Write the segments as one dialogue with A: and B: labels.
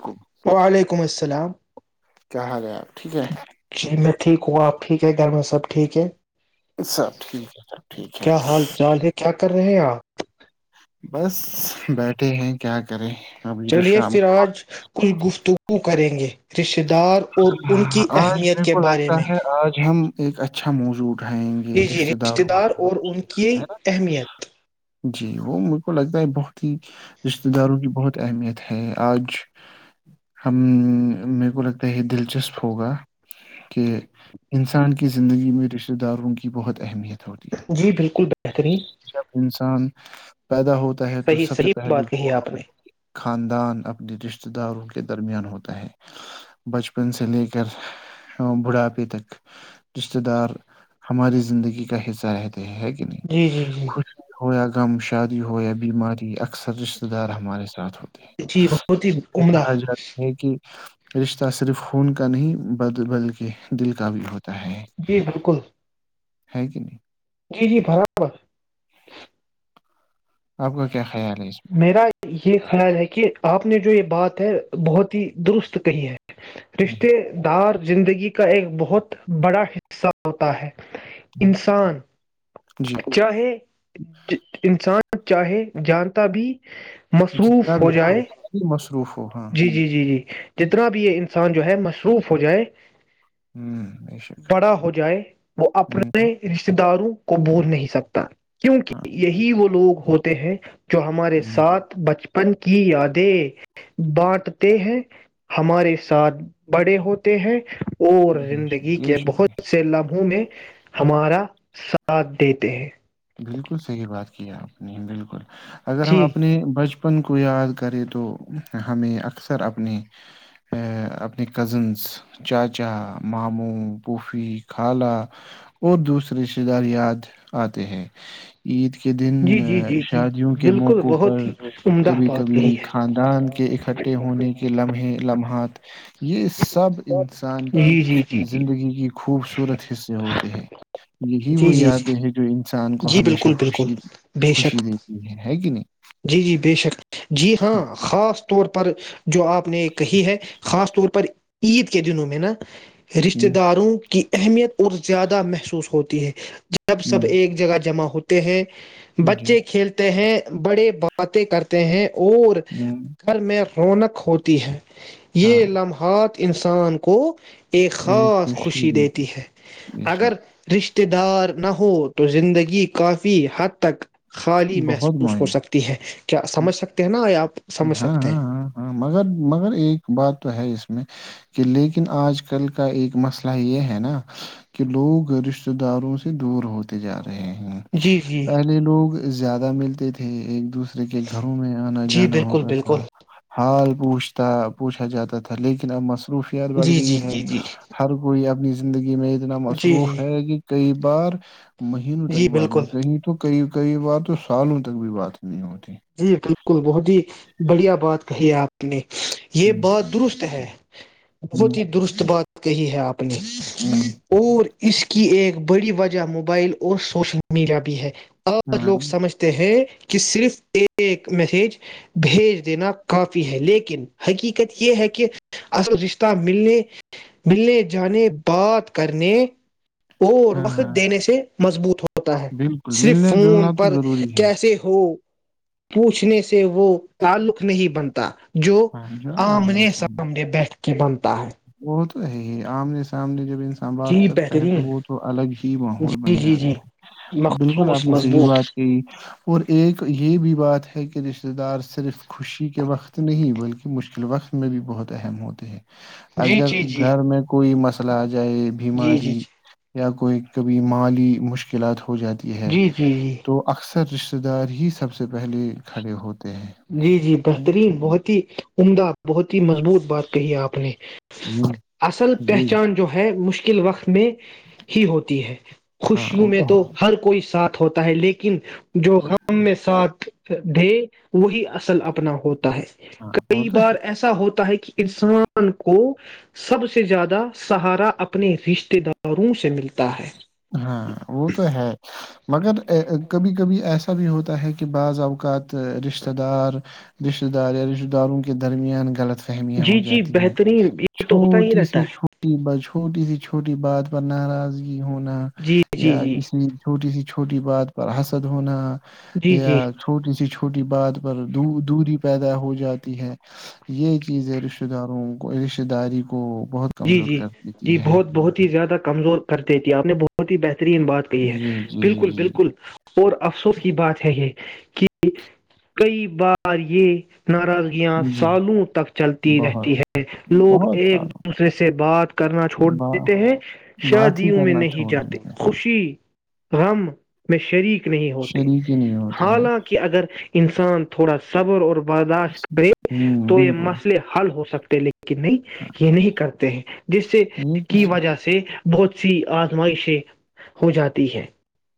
A: کیا
B: وعلیکم السلام
A: کہاں رہ ہیں آپ ٹھیک ہے
B: شی میں ٹھیک ہو آپ ٹھیک ہے گھر میں سب ٹھیک ہے
A: سب ٹھیک ہے سب ٹھیک ہے
B: کیا حال چال ہے کیا کر رہے آپ
A: بس بیٹھے ہیں کیا کرے
B: چلیے پھر آج کچھ گفتگو وہ کریں گے رشی اقتدار اور ان
A: ہے۔
B: کی
A: آج
B: اہمیت
A: میرے
B: کے
A: کو
B: بارے
A: لگتا
B: میں
A: ہے آج ہم ایک اچھا موضوع اٹھائیں گے
B: جی جی
A: رشتتے داروں
B: رشتہ دار اور ان کی
A: کا، ہے نا
B: اہمیت
A: جی وہ میر کو لگتا ہے بہت ہی رشتتے داروں کی بہت اہمیت ہے آج ہم میر کو لگتا ہی دلچسپ ہوگا کہ انسان کی زندگی میں رشتہ داروں کی بہت اہمیت ہے ہوتی
B: جی بالکل بہترین
A: جب انسان پیدا ہونے
B: صحیح صحیح بات کہی آپ نے
A: خاندان اپنے رشتتے داروں کے درمیان ہوتا ہے بچپن سے لے کر بڑھاپے تک رشتہ دار ہماری زندگی کا حصہ رہتے ہےکہ نہیں
B: جی جی جی
A: خوش بھی ہویا غم شادی ہو بیماری اکثر رشتے دار ہمارے ساتھ ہوتے ہیں
B: جی بہت ہی
A: اس لیے
B: عمدہ
A: کہا جاتا ہے کہ جی صرف خون کا نہیں بل بلکہ دل کا بھی ہوتا ہے
B: جی بالکل
A: ہے کہ نہیں
B: جی جی برابر
A: آپ کا کیا خیال ہے اس
B: میرا یہ خیال ہے کہ آپ نے جو یہ بات ہے بہت ہی درست کہی ہے
A: میں ہوں،
B: رشتے دار زندگی کا ایک بہت بڑا حصہ ہوتا ہے
A: ہوں۔
B: انسان
A: جی
B: چاہے انسان چاہے جان تبھی
A: جتنا بھی ہاں سی مصروف ہو ہاں
B: جی جی جی جی جتنا بھی یہ انسان جو ہے مصروف ہو جائے
A: ہوں بے شک
B: بڑا ہو جائے وہ
A: ہوں
B: اپنے رشتے داروں کو بول نہیں سکتا
A: ہاں
B: کیونکہ یہی وہ لوگ ہوتے تے ہیں جو ہمارے ساتھ بچپن ن کی یادیں بانٹتے ہیں ہمارے ساتھ بڑے ہوتے ہیں اور زندگی
A: بے
B: کے
A: شک
B: بہت سے لبھوں میں ہمارا ساتھ دیتے ہیں
A: بالکل صحیح بات کیا آپ نے بالکل اگر ہم
B: جی
A: اپنے بچپن بچپن کو یاد کرے تو ہمیں اکثر اپنے اپنے کزنس چاچا ماموں پھوفی خالہ اور دوسرے رشتےہ دار یاد آتے ہیں عید کی کے دن
B: جی جی جی جی
A: شادیوں کے
B: بالکل
A: موقعوں پر
B: بہت ہی عمدہ
A: کبھی
B: بات کہی
A: کبھی
B: ہے
A: خاندان کے اکٹھے ہونے کے لمحے لمحات یہ سب انسان کی
B: جی جی جی جی
A: زندگی کی خوبصورت حصے ہوتے ہیں یہی
B: جی جی
A: وہ
B: جی
A: یادیں ہیں جو چان تو
B: جی
A: ہمیشہ
B: بالکل بالکل
A: خوشی
B: بے شک
A: خوشی دیتی ہے ہے کہ نہیں
B: جی جی بے شک جی ہاں خاص طور پر جو آپ نے کہی ہے خاص طور پر عید کے دنوں میں نا رشتہ
A: ہوں،
B: داروں کی اہمیت اور زیادہ محسوس ہوتا ہے جب سب
A: ہوں،
B: ایک جگہ جمع ہوتا ہیں
A: جی
B: بچے کھیلتے ہیں بڑے باتیں کرتے ہیں اور
A: ہوں،
B: کل میں رونق ہوتی ہے
A: ہاں
B: یہ لمحات انسان کو ایک خاص خوشی دیتی ہے
A: بے
B: اگر
A: شک
B: رشتے ات دار نہ ہو تو زندگی کافی حد تک خالی میںی
A: بہت
B: محوس ہو
A: معین
B: سکتی ہے کیا سمجھ سکتے ہیں نا آپ سمجھ
A: ہاں
B: سکتے
A: ہاں
B: ہیں
A: ہاں ہاں مگر مگر ایک بات تو ہے میں کہ لیکن آج کل کا ایک مسئلہ یہ ہے نا کہ لوگ رشتے داروں سے دور ہوتے جا رہے ہیں
B: جی جی
A: پہلے لوگ زیادہ ملتے تھے ایک دوسرے کے گھروں میں آنا
B: جی
A: جانا
B: بالکل
A: ہوتا
B: بالکل
A: تھا حال پوچھتا پوچھا جاتا تھا لیکن اب مسئلہ خوفت بڑھ
B: جی
A: گئی
B: جی
A: ہے
B: جی جی
A: ہر کوئی اپنی زندگی ج میں اتنا
B: جی
A: مصروف
B: جی
A: ہے کہ کئی بار مہینوں تک
B: جی
A: بعد
B: بالکل
A: نہیں کہیں تو کئی کئی بات تو سالوں تک بھی بات نہیں ہوتی
B: جی بالکل بہت ہی بڑھیا بات کہی ہے آپ نے یہ
A: ہوں
B: بات درست ہے
A: ہوں
B: بہت ہی درست بات کہی ہے آپ نی
A: ہوں
B: اور اس کی ایک بڑی وجہ موبائل اور سوشل میڈیا بھی ہے اور لوگ
A: ہاں
B: سمجھتے ہیں کہ صرف ایک میسج بھیج دینا کافی ہے لیکن حقیقت یہ ہے کہ الزشتہ ملنے ملنے جانے بات کرنے اور وقت
A: ہاں
B: دینے سے مضبوط ہو ہوتا ہے
A: بالکل
B: صرف
A: ملنا
B: فون
A: جلنا تو
B: پر
A: ضروری ہے
B: کیسے ہو پوچھنے سے وہ تعلق نہیں بنتا جو آمنے سامنے بیٹھے کہ بنتا ہے
A: وہ تو ہے ہی آمنے سامنے انسان بات
B: جی
A: کرتا ہے تو
B: بہترین
A: وہ تو الگ ہی ماحول
B: جی
A: بن
B: جی جی
A: جاتا ہے بالکل
B: مخصوص
A: آپ نے صحیح
B: مضبوط
A: بات کی اور ایک یہ بھی بات ہے کہ رشتے دار صرف خوشی کے وقت نہیں بلکہ مشکل وقت میں بھی بہت اہم ہوتے ہیں
B: جی
A: اگر
B: جی جی
A: گھر میں کوئی مس س جائے
B: جی جی
A: بماری یا کوئی کبھی مالی مشکلات ہو ہو جاتی ہے
B: جی جی جی
A: تو اکثر سر رشتتے دار ہی سب سے پہلے کھڑے ہوتے ہیں
B: جی جی
A: ہے
B: بہترین بہت ہی عمدہ بہت ہی مضبوط بات کہی ہے آپ نے
A: نا؟ ہوں
B: اصل
A: جی
B: پہچان جو ہے مشکل قل وقت میں ہی ہوتی ہے
A: ہاں
B: خوشیوں
A: وہ
B: میں تو
A: ہے
B: ہر کوئی ساتھ ہوتا ہے لیکن جو ہم میں ساتھ ھر ڈھی [inaudible] وہی اصل اپ نا ہوتا ہے
A: ہاں وہ
B: کئی
A: تو
B: بار
A: ہے
B: ایسا ہوتا ہے کہ انسان کو سب سے زیادہ سہارا اپنے رشتے داروں سے ملتا ہے
A: ہاں وہ تو ہے مگر کبھی کبھی ایسا بھی ہوتا ہے کہ بعض اوقات رشتہ دار رشتہ دار یا رشتہ داروں کے درمیان غلط فہمیاں ہو
B: جی جی
A: جاتی ہے
B: بہترین یہ تو ہوتا ہی
A: چھوٹی
B: رہتا
A: سی
B: ہے
A: چھوٹی ب چھوٹی سی چھوٹی بات پر ناراضگی ہونا
B: جی جی جی
A: یا
B: جی
A: کسی چھوٹی سی چھوٹی بات پر حسد ہونا یا
B: جی
A: چھوٹی سی چ چھوٹی بات پر دوری پیدا ہو جاتی ہے یہ چیزیں رشتہ داروں کو رشتہ داری کو بہت
B: جی
A: کمزور
B: جی
A: کر دیتی
B: جی
A: ہے
B: بہت بہت ہی زیادہ کمزور کر دیتے ت آپ نے بہت بہت ہی بہترین بات کہی ہے
A: جی جی
B: بالکل
A: جی جی
B: بالکل اور افسوس کی بات ہے یہ کہ کئی بار یہ ناراضگیاں
A: جی
B: سالوں تک چلتی
A: بہت
B: رہتی ہے لوگ
A: بہت
B: ایک
A: سارا
B: دوسرے سے بات کرنا چھوڑ
A: بہت
B: دیتے ہیں
A: بات ہی
B: شادیوں میں
A: کرنا
B: نہیں
A: چھوڑ
B: جاتے
A: دیتے ہیں
B: خوشی غم میں شریک نہیں ہوتے
A: شریک ہی نہیں ہوتے ہیں
B: حالانکہ اگر انسان تھوڑا سبر اور برداشت کرے
A: ہوں
B: تو یہ
A: بالکل
B: مسئلے حل ہو سکتے لیکن
A: ہاں
B: نہیں نہیں کرتے ہیں جس سے
A: یہ
B: جس
A: تو
B: کی
A: صحیح
B: وجہ سے بہت سی آزمائشیں ہو جاتی ہیں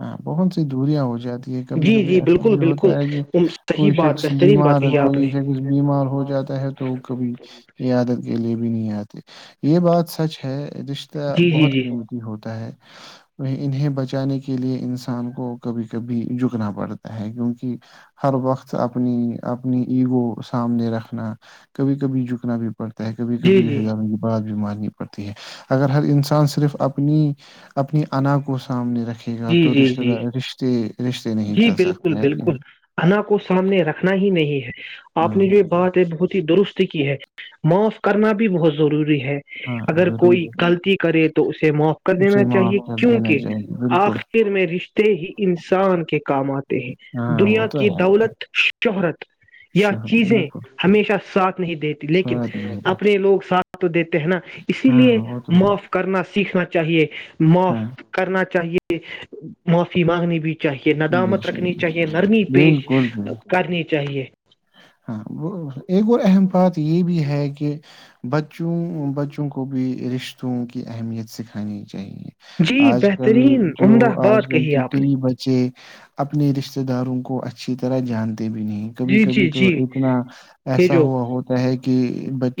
A: ہاں بہت سی دوریاں ہو جاتی ہیں یہ کبھی
B: جی
A: کبھی
B: جی
A: ایسا
B: بالکل
A: بھی ہوتا
B: بالکل
A: ہے کہ
B: ام- صحیح
A: کوئی
B: بات
A: شخص
B: بہترین بات
A: بیمار
B: کہی آپ
A: کوئی
B: نے
A: لیڈیز بیمار ہو جاتا ہے تو کبھی عادت کے لیے بھی نہیں آتے یہ بات سچ ہے رشتہ
B: جی جی
A: بہت
B: جی
A: قیمتی ہوتا ہے انہیں بچانے کی کے لیے انسان کو کبھی کبھی جھکنا پڑتا ہے کیونک ہر وقت اپنی اپنی ایگو سامنے رکھنا کبھی کبھی جھکنا بھی پڑتا ہے کبھی
B: جی
A: کبھی
B: جی
A: ہزہ میں بڑا بیماری پڑتی ہے اگر ہر انسان صرف اپنی اپنی انا کو سامنے رکھ یہ
B: جی
A: تو
B: جی
A: رشتے
B: جی
A: دار رشتے رشتے نہیں
B: جی
A: چل سکتے
B: بالکل
A: ہے کہ
B: بالکل انا کو سامنے رکھنا ہی نہیں ہے اپ
A: ہاں
B: نے یہ باتیں بہت ہی درست کی ہیں معاف کرنا بھی بہت ضروری ہے ہے
A: ہاں
B: اگر
A: ضرور
B: کوئی غلطی کرے تو اسے معاف کر دینا
A: اسے معاف
B: چاہیے
A: کر دینا
B: کیونکہ
A: چاہیے بالکل
B: آخر میں رشتے ہی انسان کام آتے ہیں
A: ہاں وہ
B: دنیا
A: تو
B: کی
A: ہے
B: دولت شہرت یا
A: شوہر
B: چیزیں
A: بالکل
B: ہمیشہ ساتھ نہیں دیتی لیکن
A: ساتھ نہیں رہتے
B: اپنے لوگ ساتھ تو دیک ہے نا اسی لیے
A: ہاں وہ تو ہے
B: معاف کرنا سی سیکھنا چاہیے معاف
A: ہاں
B: کرنا چاہیے کہ معافی مانگنی بھی چاہیے
A: بے
B: ندامت
A: شک
B: رکھنی
A: بے شک۔
B: چاہیے نرمی پیش
A: بالکل بھی
B: کرنی چاہیے
A: ہاں وہ ایک اور اہم بات یہ بھی ہے کہ بچوں بچوں کو بھی ریس رشتوں کی اہمیت سکھانی چاہیے
B: جی
A: آج کل
B: بہترین
A: جو
B: عمدہ
A: آج
B: بات
A: کل
B: کہی
A: ک
B: آپ نے
A: کئی بچے اپنے رشتےہ داروں کو اچھی طرح جانتے بھی نہیں کبھی
B: جی
A: کبھی
B: جی
A: تو
B: جی
A: اتنا
B: یہ
A: ایسا
B: جو
A: ہوا ہوتا ہے کہ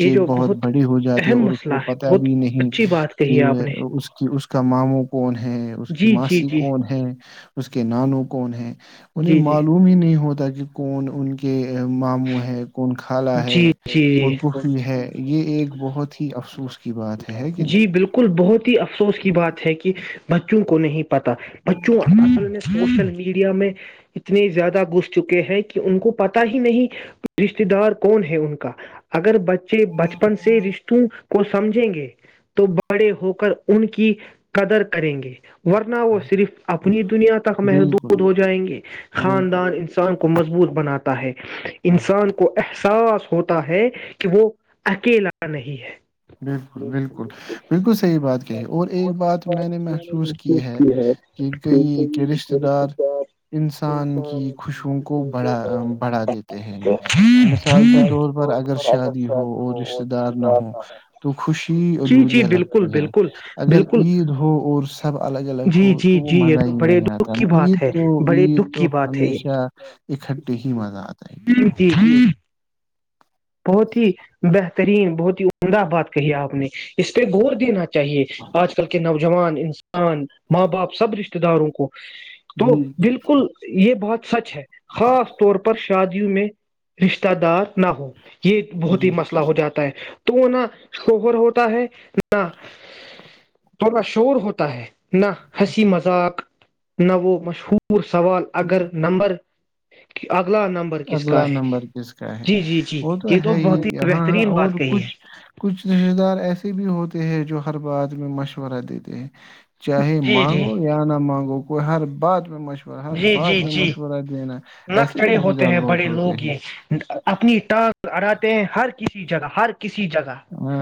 B: یہ جو
A: بہت بڑے ہو جاتے
B: اہم
A: اور اس
B: مسئلہ
A: کو
B: ہے
A: پت
B: بہت
A: بھی نہیں
B: اچھی بات
A: کہ
B: کہی ہے آپ نے
A: اس کی اس کا ماموں کون ہے اس کی
B: جی جی
A: ماسی
B: جی
A: کون ہے اس کے نانوں کون ہیں انہیں
B: جی جی جی
A: معلوم ہی نہیں ہوتا کہ کون ان کی کے ماموں ہیں
B: جی جی
A: ہے یہ
B: جی
A: ایک بہت ہی افسوس کی بات ہے ہے کہ نہیں؟
B: جی بالکل بہت ہی افسوس کی بات ہے کہ بچوں کو نہیں پتا بچوں اور سوشل میڈیا ڈیا میں اتنے زیادہ گھس چکے ہیں کہ ان کو پتا ہی نہیں ٹورسٹ دار کون ہے ان کا اگر بچ ے بچپن سے رشٹوں کو سمجھیں گے تو بڑے ہو کر ان کی قدر کریں گے ورنہ وہ صرف اپنی دنیا تک
A: بالکل
B: محدود ہو جائیں گے
A: بالکل
B: خاندان انسان کو مضبوط بناتا ہے
A: ہاں
B: انسان احساس ہوتا ہے کہ وہ اکیلا نہیں ہے
A: بالکل بالکل بالکل صحیح بات کہی اور ایک بات میں نے محسوس کی ہے کہ کئی کے رشتےہ دار انسان کی خوشو کو بڑھا بڑھا دیتے ہیں مثال کے طور پر اگر شادی ہو اور رشتتے دار نہ ہو تو خوشی
B: جی جی
A: ادھوریاں
B: بالکل
A: لگتی ہیں
B: بالکل
A: اگر
B: بالکل
A: عید ہو اور سب الگ الگ ہو
B: جی جی
A: تو وہ
B: جی یہ
A: مزہ
B: تو
A: ہی
B: بڑے
A: نہیں
B: دکھ
A: آتا
B: کی
A: عید
B: بات ہے
A: تو
B: بڑے
A: عید
B: دکھ
A: تو
B: کی بات ہے یہ
A: ہمیشہ اکٹھے ہی مزہ آتا ہے عید کو
B: ہاں بہت ہی بہترین بہت ہی عمدہ بات کہی آپ نے اس پہ غور دینا چاہیے آج کل کے نوجوان ماں باپ سب رشتتےہ رتے داروں کو تو
A: جی
B: بالکل یہ بہت سچ ہے خاص طور پر شادیوں میں رشتہ دار نہ ہو یہ بہت
A: جی
B: ہی مسئلہو جاتا ہے وہ نہ شوہر ہوتا ہے نہ تھوڑا شور ہوتا ہے نہ ہنسی مذاق نہ وہ مشہور پور سوال اگر نمبر کہ آپ اگلا نمبر کس کا
A: اگلا
B: ہے
A: نمبر کس کا ہے
B: جی جی جی
A: وہ تو
B: یہ
A: ہے
B: بہت
A: ہی ہاں ہاں
B: بہترین
A: اور
B: بات کہی ہے
A: کچھ کچھ رشد ایسے بھی ہوتے ہیں جو ہر بات میں مشورہ دیتے ہیں چاہے
B: جی جی
A: مانگو یا نہ مانگو کوئی ہر بات میں مشور مشورہ ہر بعات میں مشورہ دینا ایسے بھی رشتہ
B: ناکچڑ
A: دار
B: ہیں
A: بہت
B: بڑے
A: ہوتے
B: لوگ
A: ہیں
B: یہ اپنی تٹاک ارات ہیں ہر کسی جگہ ہر کسی جگہ
A: ہاں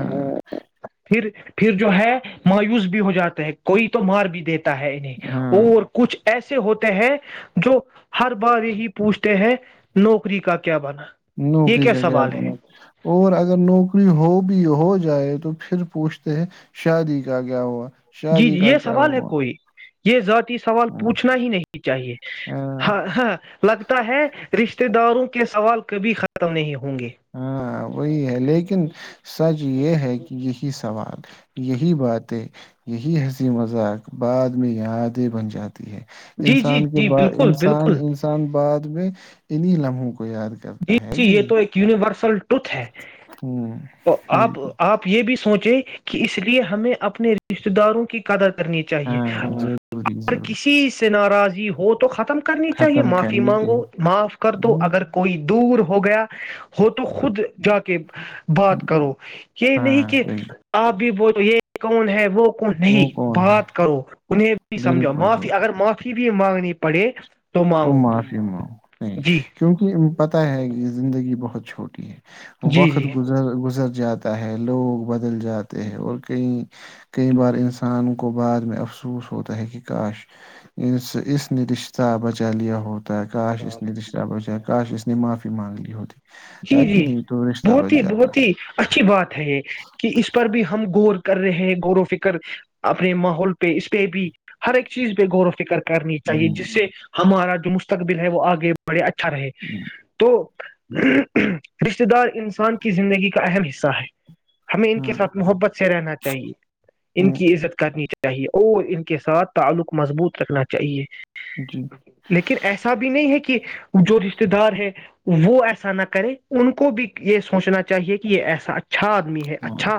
B: پھر پھر جو ہے مایوس بھی ہو جاتا ہے کوئی تو مار بھی دیتے ہے انہیں
A: ہاں
B: اور کچھ ایسے ہوتے ہیں جو ہر بار ہی پوچھتے ہیں نوکری کا کیا بنا یہ
A: نوکری کا کیا
B: سوال
A: بنا
B: ہے
A: اور اگر نوکری ہو بھی ہو جائے تو پھر پوچھتے ہیں شادی کا کیا ہوا
B: جی
A: شادی
B: جی
A: کا
B: یہ
A: کیا
B: سوال ہے
A: ہوا
B: کوئی یہ ذاتی سوال پوچھنا ہی نہیں چاہیے ہاں ہ لگتا ہے رشتے رشتہ داروں کے سوال کبھی ختم نہیں ہو
A: ہاں وہی ہے لیکن سچ یہ ہے کہ یہی سوال یہی باتیں یہی ہنسی مذاق بعد میں یادیں بن جاتے ہے
B: جی جی
A: انسان کے
B: جی
A: ب
B: بالکل
A: انسان
B: بالکل
A: انسان بات ت میں اینی لام ہک
B: جی جی یہ تو ایک یونیورس سو ٹوتھ ہے
A: ہوں
B: تو آپ
A: بالکل
B: آپ یہ بھی سوچ کہ اس لیے ہمیں اپنے رشتے داروں کی قدر نی چاہیے
A: ہاں ضروری
B: اگر
A: ضروری
B: کسی سے ناراضی ہو تو تو ختم کرنی چاہیے
A: ختم
B: معافی
A: کرنے کے
B: مانگو معاف کر دو
A: ہوں،
B: اگر دور ہو گیا ہو تو خود جا کے بات کرو یہ نہیں
A: ہاں
B: کہ
A: صحیح
B: آپ بھی بہت یہ کون ہے وہ کو
A: وہ
B: نہیں
A: کون ہے
B: بات کرو انہیں بھی سمجھو
A: بالکل بالکل
B: معافی اگر معافی بھی مانگنی پڑے
A: تو معافی م نہیں
B: جی
A: کیوں پتہ ہے کہ زندگی بہت چھوٹی ہے
B: جی
A: وقت
B: جی
A: گزر گزر جاتا ہے لوگ بدل جاتے ہیں اور کئی بار انسان کو بعد میں افسوس ہوتا ہے کہ کاش اس نے رشتہ بچا اسالیہ ہوٹ ہے کاش اس نے دشرابچ ہے کاش اس میں معافی مانگلی ہوتی
B: جی
A: ہے کہ
B: جی
A: نہیں تو رشتہ
B: بہت
A: بچ
B: ہی
A: جاتا ہے۔
B: بہت ہی اچھی بات ہے یہ کہ اس پر بھی ہم گور کر رہے ہیں غور و فکر اپنے ماحول پہ اس پہ بھی ہر ایک چیز پہ غور و فکر کرنی چاہیے
A: ہوں،
B: جس سے ہمارا جو مستقبل ہے وہ آگے بڑے اچھے اچھا رہے
A: ہوں،
B: تو [inaudible] رشتے دار انسان کی زندگی کا اہم حصہ سا ہے ہمیں ان کے
A: ہاں
B: ساتھ محبت سے رہنا چاہیے ان
A: ہوں،
B: کی عزت کرنی چاہیے چاہیے اور ان کے ساتھ تعلق مضبوط رکھنا چاہیے
A: جی
B: لیکن ایسا بھی نہیں ہے کہ جو رشتے دار ہے وہ ایسا نہ کر کرے ان کو بھی یہ سوچنا چاہیے کہ یہ ایسا اچھا اچھا آدمی ہے
A: ہاں
B: اچھا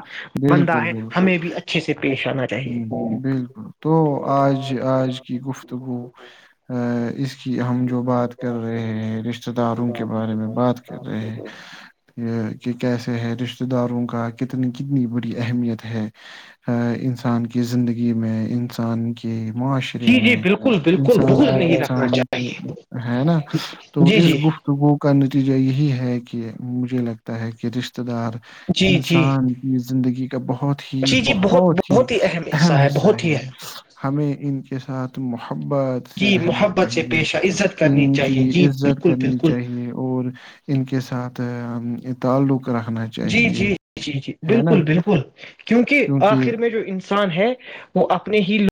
B: بندہ ہے ہمیں بھی اچھے سے پیش آنا چاہیے
A: ہممم بالکل تو آج آج کی گفتگو اس کہ ہم جو بات کر رہے ہیں رشتے داروں کے بارے میں بات کر رہے ہیں کہ کیسے ہے رش رشتے داروں کا کتنی کتنی بڑی اہمیت ہے ان انسان کی زندگی میں انسان کہ معاشرے
B: جی جی
A: میں
B: بالکل بالکل
A: انسان
B: بہت نہیں رکھنا
A: انسان
B: چاہیے
A: ہے نہ تو
B: جی
A: اس
B: جی
A: گفتگو کا نتیجہ یہی ہے کہ مجھے لگتا ہے کہ رشتے تدار
B: جی جی
A: انسان کی زندگی بہت ہی بہت ہی
B: اہم حصہ ہے بہت ہی اہم
A: ہمیں ان کے ساتھ مح بات سے
B: جی
A: رہنا
B: محبت سے
A: چاہیے
B: پیشہ عزت کرنی
A: ان کی
B: چاہیے جی
A: عزت
B: بالکل
A: کرنی
B: بالکل
A: چاہیے اور ان کے ساتھ آ یہ تعلق رکھنا
B: جی
A: چاہیے
B: جی جی جی
A: ہے نا
B: بالکل بالکل کیونکہ آخر میں جو ان سان ہے وہ اپنے ہی لوگ